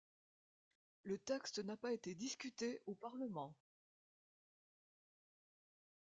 Le texte n’a pas été discuté au Parlement.